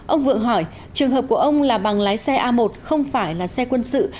ông vượng hỏi trường hợp của ông là bằng lái xe a một không phải là xe quân sự